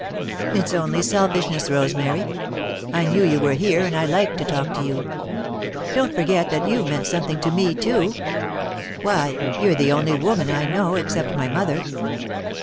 "It's only selfishness, Rosemary. I knew you were here and I like to talk to you. Don't forget that you've meant something to me, too. Why, you're the only woman I know, except my mother."